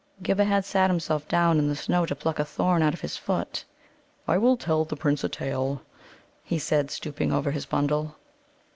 Ghibba had sat himself down in the snow to pluck a thorn out of his foot. "I will tell the Prince a tale," he said, stooping over his bundle.